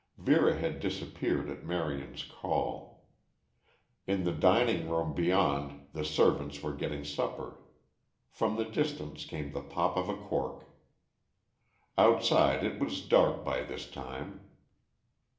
Vera had disappeared at Marion's call. In the dining room beyond the servants were getting supper. From the distance came the pop of a cork. Outside it was dark by this time.